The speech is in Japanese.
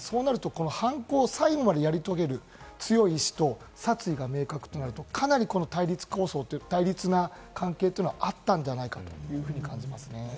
こうなると犯行を最後までやり遂げて、強い意志と殺意が明確となると、かなり対立関係があったんじゃないかというふうに感じます。